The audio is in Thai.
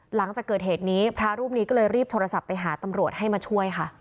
หลังจากเกิดเหตุนี้พระรูปนี้ก็เลยรีบโทรศัพท์ไปหาตำรวจให้มาช่วยค่ะ